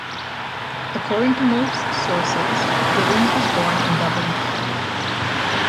According to most sources, Gibbons was born in Dublin, Ireland.